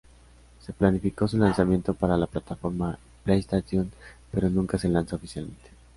Se planificó su lanzamiento para la plataforma PlayStation, pero nunca se lanzó oficialmente.